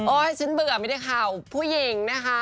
ฉันเบื่อไม่ได้ข่าวผู้หญิงนะคะ